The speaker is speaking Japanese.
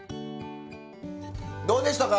どうでしたか？